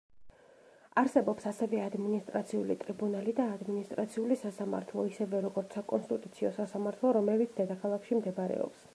არსებობს ასევე ადმინისტრაციული ტრიბუნალი და ადმინისტრაციული სასამართლო, ისევე, როგორც საკონსტიტუციო სასამართლო, რომელიც დედაქალაქში მდებარეობს.